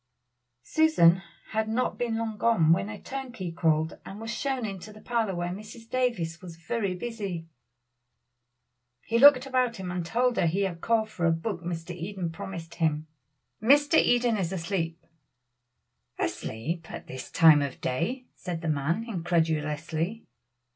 Susan had not been long gone when a turnkey called, and was shown into the parlor where Mrs. Davies was very busy. He looked about him and told her he had called for a book Mr. Eden promised him. "Mr. Eden is asleep." "Asleep at this time of day?" said the man incredulously.